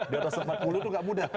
di atas empat puluh itu nggak muda